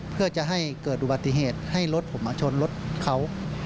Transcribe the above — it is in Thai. เพื่อจะให้เกิดอุบัติเหตุให้รถผมมาชนรถเขา